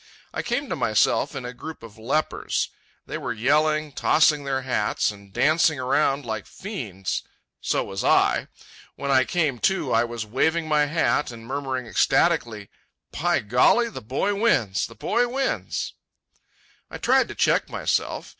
I came to myself in a group of lepers. They were yelling, tossing their hats, and dancing around like fiends. So was I. When I came to I was waving my hat and murmuring ecstatically: "By golly, the boy wins! The boy wins!" I tried to check myself.